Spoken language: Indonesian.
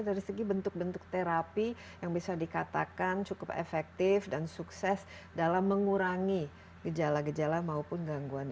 dari segi bentuk bentuk terapi yang bisa dikatakan cukup efektif dan sukses dalam mengurangi gejala gejala maupun gangguan